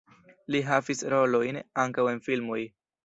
Li havis rolojn ankaŭ en filmoj.